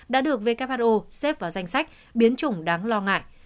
đã được who xếp vào danh sách biến chủng đáng lo ngại